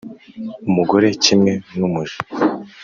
umugore kimwe n’umuja,